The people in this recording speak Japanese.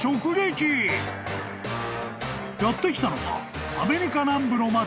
［やって来たのはアメリカ南部の町］